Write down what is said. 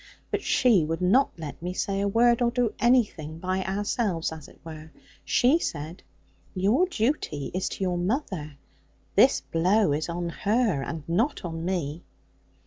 But she would not let me say a word, or do anything by ourselves, as it were: she said, 'Your duty is to your mother: this blow is on her, and not on me.'